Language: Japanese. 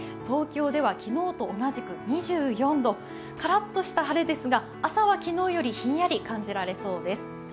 東京では昨日と同じく２４度、からっとした晴れですが、朝は昨日よりひんやり感じられそうです。